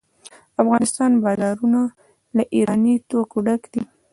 د افغانستان بازارونه له ایراني توکو ډک دي.